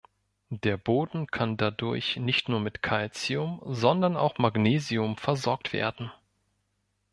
Der Boden kann dadurch nicht nur mit Kalzium, sondern auch Magnesium versorgt werden.